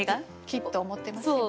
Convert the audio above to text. きっと思ってますよ。